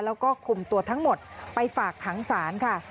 แล้วก็คุมตัวทั้งหมดไปฝากขังศาลค่ะ